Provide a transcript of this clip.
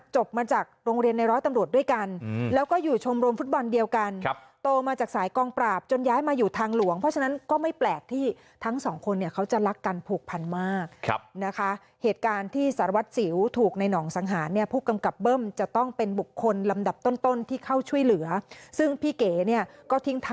มาจากโรงเรียนในร้อยตำรวจด้วยกันแล้วก็อยู่ชมรมฟุตบอลเดียวกันโตมาจากสายกองปราบจนย้ายมาอยู่ทางหลวงเพราะฉะนั้นก็ไม่แปลกที่ทั้งสองคนเนี่ยเขาจะรักกันผูกพันมากนะคะเหตุการณ์ที่สารวัตรสิวถูกในหนองสังหารเนี่ยผู้กำกับเบิ้มจะต้องเป็นบุคคลลำดับต้นที่เข้าช่วยเหลือซึ่งพี่เก๋เนี่ยก็ทิ้งท